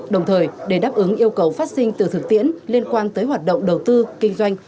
đồng thời để đáp ứng yêu cầu phát sinh từ thực tiễn liên quan tới hoạt động đầu tư kinh doanh